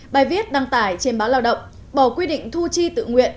bài viết đăng tải trên báo lao động bỏ quy định thu chi tự nguyện